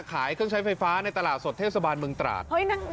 ขายเครื่องใช้ไฟฟ้าในตลาดสดเทศบาลเมืองตราด